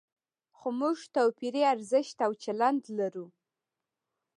خو موږ توپیري ارزښت او چلند لرو.